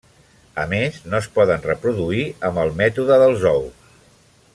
A més, no es poden reproduir amb el mètode dels ous.